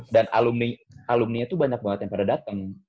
dan alumni aluminya tuh banyak banget yang pada dateng